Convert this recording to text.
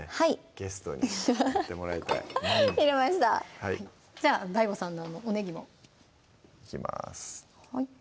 ゲストにやってもらいたい入れましたじゃあＤＡＩＧＯさんのおねぎもいきます